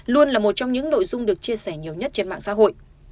luôn là một trong những nội dung được chia sẻ nhiều nhất trên mạng xã hội